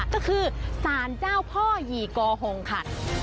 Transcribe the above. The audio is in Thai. ก็คือสารเจ้าพ่อหยี่กอหงค่ะ